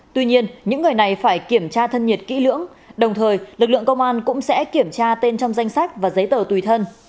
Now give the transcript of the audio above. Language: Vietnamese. tuy nhiên những người này phải kiểm tra thân nhiệt kỹ lưỡng đồng thời lực lượng công an cũng sẽ kiểm tra tên trong danh sách và giấy tờ tùy thân